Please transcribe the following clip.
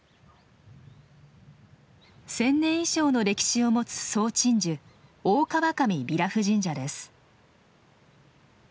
１，０００年以上の歴史を持つ総鎮守大川上美良布神社です。